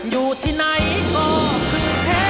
อยู่ที่ไหนก็คือเผ็ด